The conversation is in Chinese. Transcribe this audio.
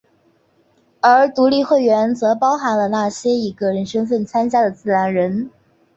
而独立会员则包含了那些以个人身份参加的自然人。